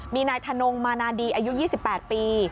มีนายธนงมานาดีอายุ๒๘ปี